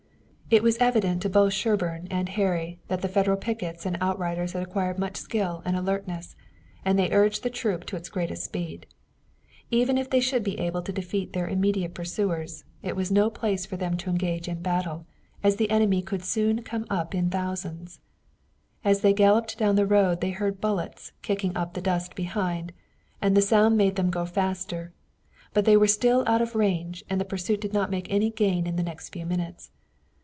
It was evident to both Sherburne and Harry that the Federal pickets and outriders had acquired much skill and alertness, and they urged the troop to its greatest speed. Even if they should be able to defeat their immediate pursuers, it was no place for them to engage in battle, as the enemy could soon come up in thousands. As they galloped down the road they heard bullets kicking up the dust behind, and the sound made them go faster. But they were still out of range and the pursuit did not make any gain in the next few minutes.